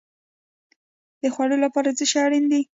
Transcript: د خوړو لپاره څه شی اړین دی؟